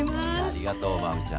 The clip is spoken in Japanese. ありがとう真海ちゃん。